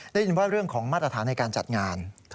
ได้ยินว่าเรื่องของมาตรฐานในการจัดงาน